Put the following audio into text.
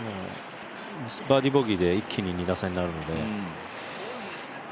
バーディー、ボギーで一気に２打差になるので。